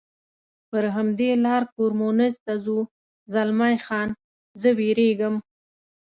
پر همدې لار کورمونز ته ځو، زلمی خان: زه وېرېږم.